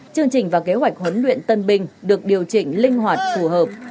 chương trình và kế hoạch huấn luyện tân binh được điều chỉnh linh hoạt phù hợp